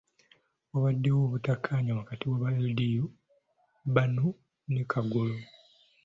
Wabaddewo obutakkanya wakati waba LDU bano ne Kagolo.